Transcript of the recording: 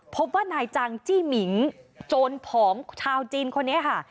พบว่านายจังจี้หมิงโจรผอมชาวจีนคนนี้ค่ะ